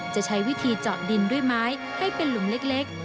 จะใช้วิธีเจาะดินด้วยไม้ให้เป็นหลุมเล็ก